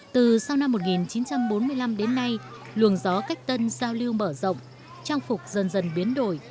từ sau năm một nghìn chín trăm bốn mươi năm đến nay luồng gió cách tân giao lưu mở rộng trang phục dần dần biến đổi